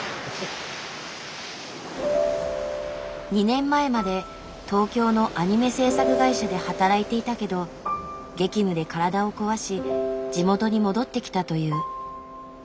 ２年前まで東京のアニメ制作会社で働いていたけど激務で体を壊し地元に戻ってきたという。